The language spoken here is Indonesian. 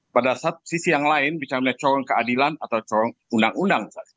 pada saat sisi yang lain bicara corong keadilan atau corong undang undang